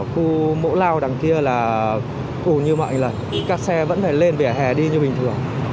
khu mẫu lao đằng kia là ủ như mọi là các xe vẫn phải lên vỉa hè đi như bình thường